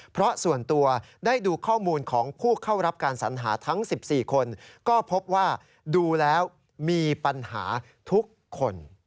เพราะส่วนตัวได้ดูข้อมูลของผู้เข้ารับการสัญหาทั้ง๑๔คนก็พบว่าดูแล้วมีปัญหาทุกคน